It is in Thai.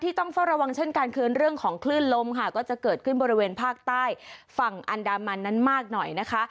ต้องเฝ้าระวังเช่นกันคือเรื่องของคลื่นลมค่ะก็จะเกิดขึ้นบริเวณภาคใต้ฝั่งอันดามันนั้นมากหน่อยนะคะ